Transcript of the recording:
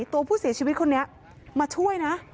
ตัวผู้เสียชีวิตคนนี้มาช่วยนะ